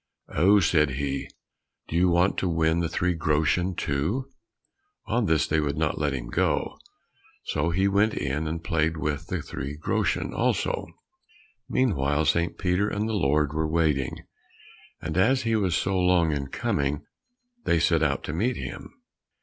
"Oh," said he, "do you want to win the three groschen too?" On this they would not let him go. So he went in, and played away the three groschen also. Meanwhile St. Peter and the Lord were waiting, and as he was so long in coming, they set out to meet him.